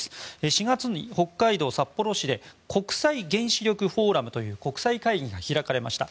４月に北海道札幌市で国際原子力フォーラムという国際会議が開かれました。